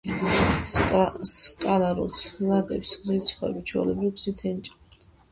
სკალარულ ცვლადებს რიცხვები ჩვეულებრივი გზით ენიჭებათ.